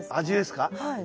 味ですか？